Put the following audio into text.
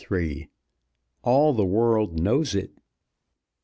ALL THE WORLD KNOWS IT.